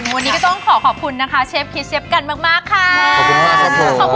โอ้วันนี้ก็ต้องขอขอบคุณนะคะเชฟคิดเชฟกันมากค่ะขอบคุณมากครับผม